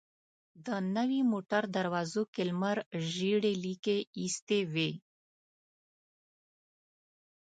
د نوې موټر دروازو کې لمر ژېړې ليکې ايستې وې.